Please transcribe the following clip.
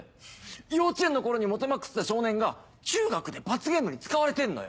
幼稚園の頃にモテまくってた少年が中学で罰ゲームに使われてんのよ。